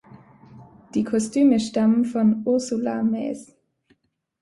Die Kostüme stammen von Ursula Maes.